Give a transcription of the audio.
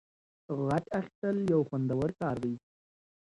غچ اخیستل یو خوندور کار دی.